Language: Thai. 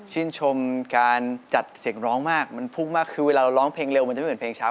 ชื่นชมการจัดเสียงร้องมากมันพุ่งมากคือเวลาเราร้องเพลงเร็วมันจะไม่เหมือนเพลงเช้า